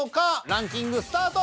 ランキングスタート！